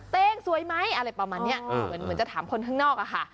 ตัวเองสวยไหมอะไรประมาณนี้เหมือนจะถามคนข้างนอกอะค่ะ